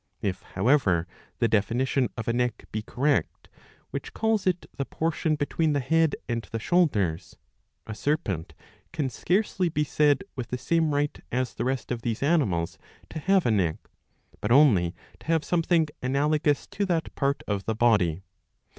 ^^ If however the definition of a neck be correct, which calls it the portion between the head and the shoulders, a serpent can scarcely be said with the same right as the rest of these animals to have a neck, but only to have something analogous to that part of the body.